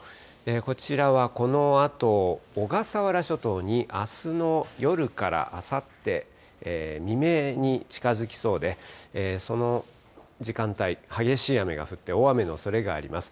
こちらはこのあと、小笠原諸島にあすの夜からあさって未明に近づきそうで、その時間帯、激しい雨が降って、大雨のおそれがあります。